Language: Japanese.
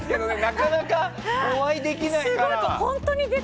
なかなかお会いできないから。